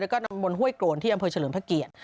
แล้วก็นำบนห้วยโกนที่อำเภอเฉลิมพระเกียรติ